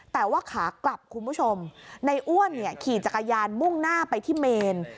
แต่ว่าขากลับคุณผู้ชมในอ้วนเนี่ยขี่จักรยานมุ่งหน้าไปที่เมน